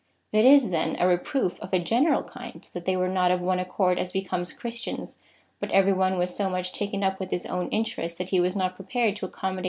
It is, then, a reproof of a general kind — that they were not of one accord as becomes Christians, but every one was so much taken up with his own interests, that he was not prepared to accom modate himself to others.